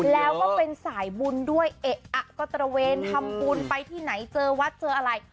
แล้วก็เป็นสายบุญด้วยเอะอะก็ตระเวนทำบุญไปที่ไหนเจอวัดเจออะไร